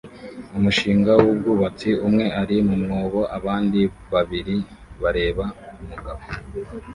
umushinga wubwubatsi; umwe ari mu mwobo abandi babiri bareba umugabo